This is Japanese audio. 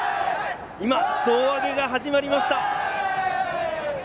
今、胴上げが始まりました。